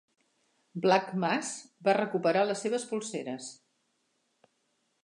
Black Mass va recuperar les seves polseres.